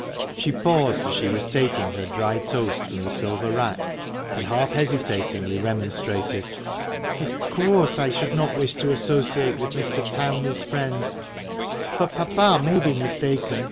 She paused as she was taking her dry toast from the silver rack, and half hesitatingly remonstrated. " Of course I should not wish to associate with Mr. Townley's friends. But papa may be mistaken.